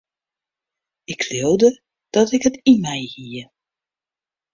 Ik leaude dat ik it yn my hie.